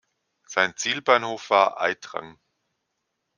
Sein Zielbahnhof war Aitrang.